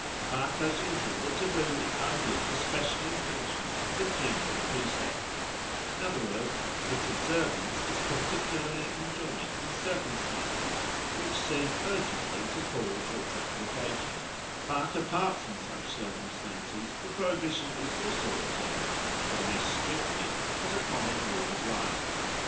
But as usual the taboo is only the special enforcement of a general precept; in other words, its observance is particularly enjoined in circumstances which seem urgently to call for its application, but apart from such circumstances the prohibition is also observed, though less strictly, as a common rule of life.